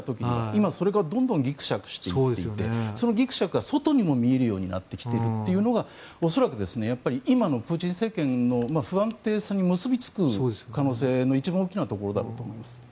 今、それがどんどんぎくしゃくしていてそのぎくしゃくが外にも見えるようになってきているというのが恐らく、今のプーチン政権の不安定さに結びつく可能性の一番大きなところだと思います。